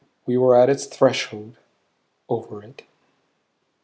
We were at its threshold; over it.